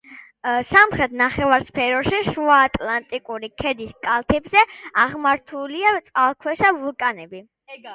სამხრეთ ნახევარსფეროში შუაატლანტიკური ქედის კალთებზე აღმართულია წყალქვეშა ვულკანები.